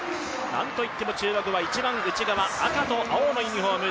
なんと言っても注目は１番内側、赤と青のユニフォーム